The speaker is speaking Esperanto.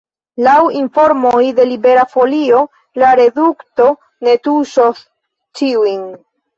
Laŭ informoj de Libera Folio la redukto ne tuŝos ĉiujn.